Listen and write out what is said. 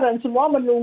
dan semua mendukung